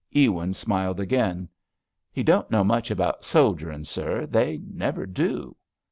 Ewins smiled again. "He don't know much about soldiering, sir; they never do."